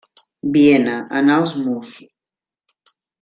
Viena, Anals Mus.